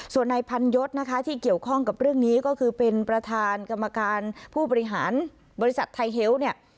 ส่วนนายพันยศนะคะที่เกี่ยวข้องกับเรื่องนี้ก็คือเป็นประธานกรรมการผู้บริหารบริษัทไทยเฮลต์เนี่ย